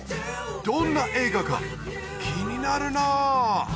どんな映画か気になるなぁ